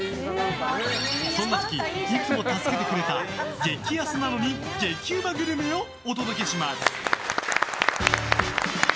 そんな時、いつも助けてくれた激安なのに激ウマグルメをお届けします！